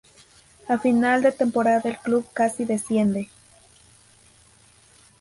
A final de temporada el club casi desciende.